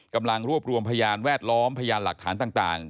กำลังรวบรวมพยานแวดล้อมพยานหลักฐานต่าง